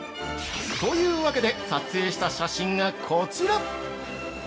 ◆というわけで撮影した写真がこちら！